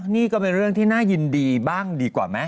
นี่ก็เป็นเรื่องที่น่ายินดีบ้างดีกว่าไหม